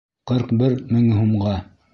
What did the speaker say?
Ҡырҡ бер мең һумға.